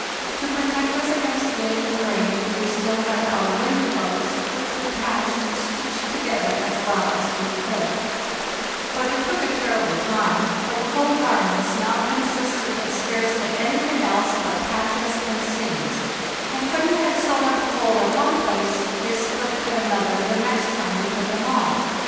To protect us against wind and rain we had still our wind clothes, which we had patched and stitched together as well as we could; but it took a terri ble time, for the whole garments now consisted of scarcely anything else but patches and seams, and when you had sewed up a hole at one place they split at another the next time you put them on.